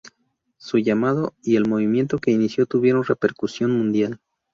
Su llamado y el movimiento que inició tuvieron repercusión mundial.